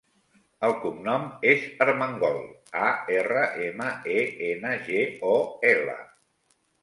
El cognom és Armengol: a, erra, ema, e, ena, ge, o, ela.